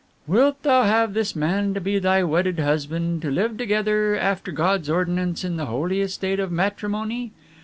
"Wilt thou have this man to be thy wedded husband to live together after God's ordinance in the holy estate of Matrimony?